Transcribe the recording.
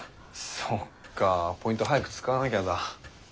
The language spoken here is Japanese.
そっかポイント早く使わなきゃだ。